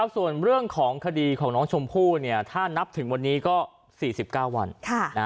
ส่วนเรื่องของคดีของน้องชมพู่ถ้านับถึงวันนี้ก็๔๙วัน